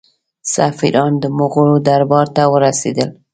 سفیران د مغولو دربار ته ورسېدل.